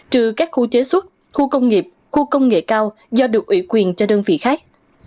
trừ các khu chế xuất khu công nghiệp khu công nghệ cao do được ủy quyền cho đơn vị khác